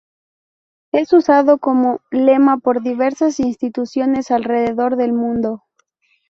Es usado como lema por diversas instituciones alrededor del mundo.